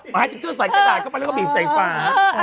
มาให้จุดใส่กระดาษเข้าไปแล้วก็บีบใส่ฝา